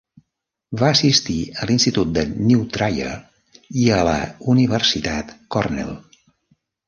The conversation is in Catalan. Va assistir a l'Institut de New Trier i a la Universitat Cornell.